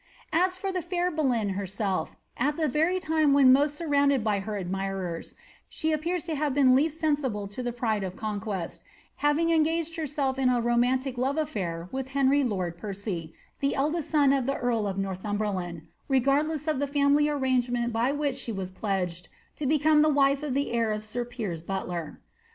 As for the fair Boleyn herself, at the very time when most surrounded witli admirers, she appears to have been least sensible to the pride of conquest, having engaged herself in a romantic love affidr with Henry lord Percy, the eldest son of the earl of Northumberland, regardless of the family arrangement by which she was pledged to become the wife of the heir of sir Piers Butler.